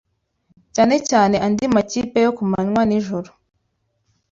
cyane cyane andi makipe yo kunywa nijoro